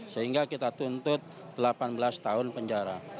sehingga kita tuntut delapan belas tahun penjara